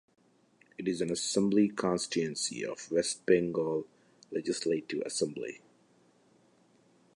It is an assembly constituency of West Bengal Legislative Assembly.